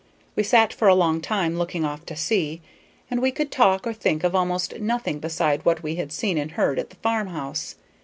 We sat for a long time looking off to sea, and we could talk or think of almost nothing beside what we had seen and heard at the farm house.